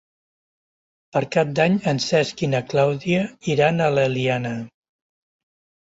Per Cap d'Any en Cesc i na Clàudia iran a l'Eliana.